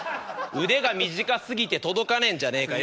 腕が短すぎて届かねえんじゃねえかよ。